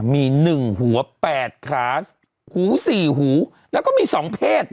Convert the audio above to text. มี๑หัว๘ขาหู๔หูแล้วก็มี๒เพศ